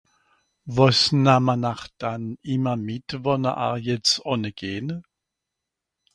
wàs nammen'r dann immer mit wànn'r arjets ànne gehn?